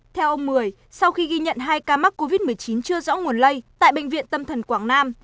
theo ông mười sau khi ghi nhận hai ca mắc covid một mươi chín chưa rõ nguồn lây tại bệnh viện tâm thần quảng nam